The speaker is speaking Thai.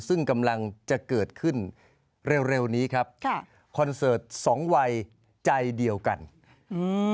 ซึ่งกำลังจะเกิดขึ้นเร็วเร็วนี้ครับค่ะคอนเสิร์ตสองวัยใจเดียวกันอืม